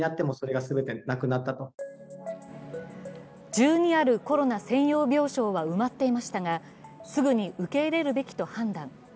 １２あるコロナ専用病床は埋まっていましたが、すぐに受け入れるべきと判断。